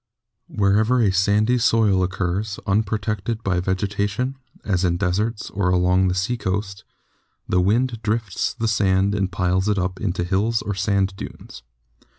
Wherever a sandy soil occurs, unprotected by vegeta tion, as in deserts or along the seacoast, the wind drifts the sand and piles it up into hills or sand dunes.